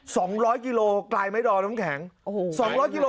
สองร้อยกิโลไกลไหมดอมน้ำแข็งโอ้โหสองร้อยกิโล